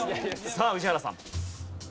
さあ宇治原さん。